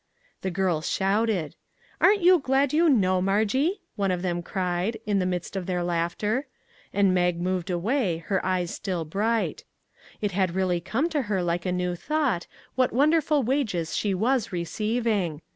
The girls shouted. " Aren't you glad you know, Margie?" one of them cried, in the midst of the laughter; and Mag moved away, her eyes still bright. It had really come to her like a new thought, what wonderful wages she was receiving.